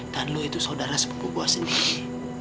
dan lo itu saudara sepupu gue sendiri